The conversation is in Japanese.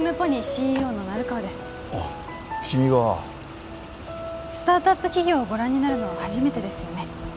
君がスタートアップ企業をご覧になるのは初めてですよね